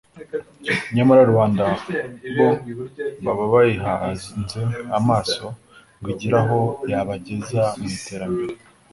nyamara rubanda bo baba bayihanze amaso ngo igire aho yabageza mu iterambere